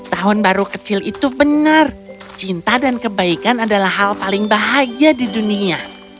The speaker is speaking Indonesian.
tahun baru kecil itu benar cinta dan kebaikan adalah hal paling bahagia di dunia